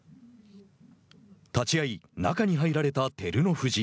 立ち合い中に入られた照ノ富士。